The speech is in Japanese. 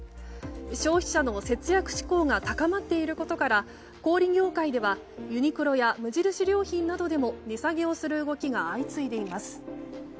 消費者の節約志向が高まっていることから小売業界ではユニクロや無印良品などでも値下げをする動きが相次いでいます。